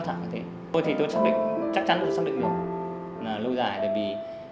tại vì mình xác định rồi